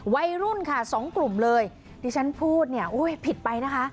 วัยรุ่นค่ะสองกลุ่มเลยที่ฉันพูดเนี่ยอุ้ยผิดไปนะคะ